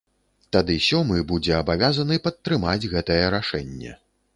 Тады сёмы будзе абавязаны падтрымаць гэтае рашэнне.